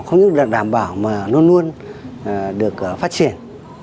không những được đảm bảo mà luôn luôn được phát triển